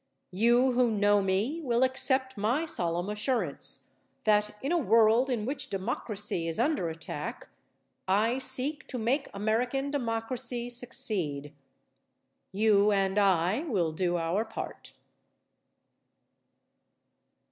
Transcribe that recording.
You who know me will accept my solemn assurance that in a world in which democracy is under attack, I seek to make American democracy succeed. You and I will do our part.